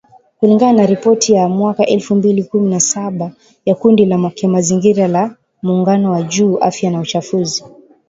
kulingana na ripoti ya mwaka elfu mbili kumi na saba ya kundi la kimazingira la Muungano juu ya Afya na Uchafuzi.